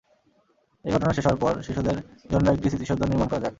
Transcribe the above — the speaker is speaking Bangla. এই ঘটনা শেষ হওয়ার পর, শিশুদের জন্য একটি স্মৃতিসৌধ নির্মাণ করা যাক।